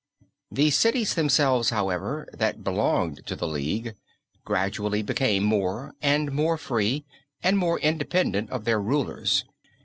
The cities themselves, however, that belonged to the League gradually became more and more free, and more independent of their rulers.